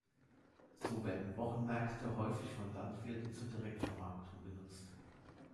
So werden Wochenmärkte häufig von Landwirten zur Direktvermarktung genutzt.